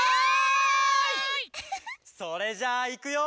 「それじゃあいくよ」